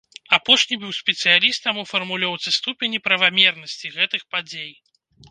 Апошні быў спецыялістам у фармулёўцы ступені правамернасці гэтых падзей.